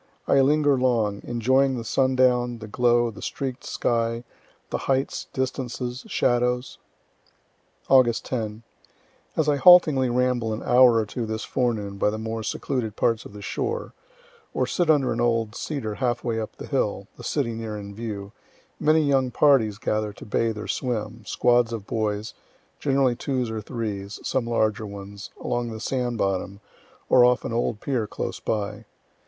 I linger long, enjoying the sundown, the glow, the streak'd sky, the heights, distances, shadows. Aug. 10. As I haltingly ramble an hour or two this forenoon by the more secluded parts of the shore, or sit under an old cedar half way up the hill, the city near in view, many young parties gather to bathe or swim, squads of boys, generally twos or threes, some larger ones, along the sand bottom, or off an old pier close by.